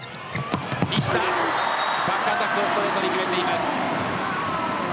西田、バックアタックをストレートに決めています。